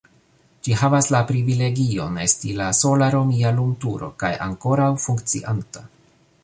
Ĝi havas la privilegion esti la sola romia lumturo kaj ankoraŭ funkcianta.